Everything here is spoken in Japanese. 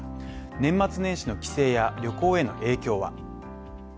年末年始の帰省や旅行への影響は。